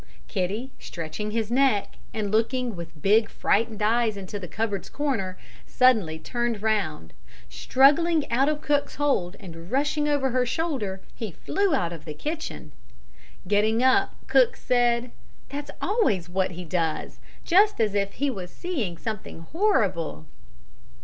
Kitty, stretching his neck and looking with big, frightened eyes into the cupboard's corner, suddenly turned round; struggling out of cook's hold and rushing over her shoulder, he flew out of the kitchen. Getting up, Cook said: "That's always what he does, just as if he was seeing something horrible!"